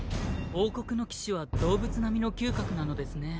王国の騎士は動物並みの嗅覚なのですね。